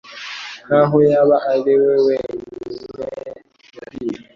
nkaho yaba ari we wenyine yapfiriye.